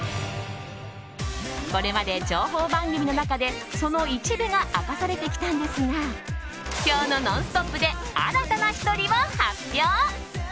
これまで情報番組の中でその一部が明かされてきたんですが今日の「ノンストップ！」で新たな１人を発表。